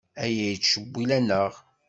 Aya yettcewwil-aneɣ.